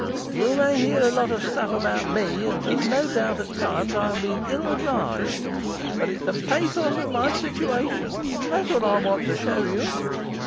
You may hear a lot of stuff about me; and there's no doubt at times I have been ill advised. But it's the pathos of my situation; that's what I want to show you.